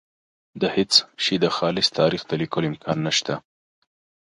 د هېڅ شي د خالص تاریخ د لیکلو امکان نشته.